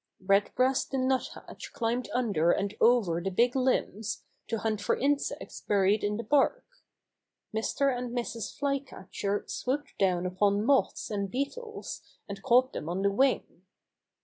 Red Breast the Nuthatch climbed under and over the big limbs to hunt for insects buried in the bark. Mr. and Mrs. Flycatcher swooped down upon moths and beetles and caught them on the wing.